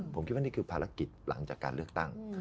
ผมคิดว่านี่คือภารกิจหลังจากการเลือกตั้ง